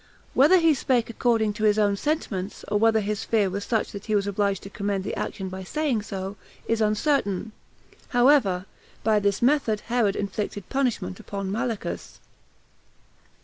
Whether he spake according to his own sentiments, or whether his fear was such that he was obliged to commend the action by saying so, is uncertain; however, by this method Herod inflicted punishment upon Malichus.